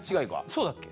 そうだっけ？